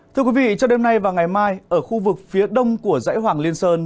thưa quý vị cho đêm nay và ngày mai ở khu vực phía đông của dãy hoàng liên sơn